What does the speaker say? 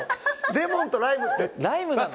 レモンとライムってライムなの？